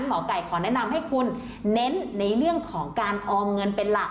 หมอไก่ขอแนะนำให้คุณเน้นในเรื่องของการออมเงินเป็นหลัก